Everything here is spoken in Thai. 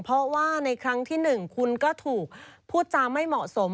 เพราะว่าในครั้งที่๑คุณก็ถูกพูดจาไม่เหมาะสม